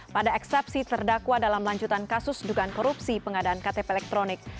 pada eksepsi terdakwa dalam lanjutan kasus dugaan korupsi pengadaan ktp elektronik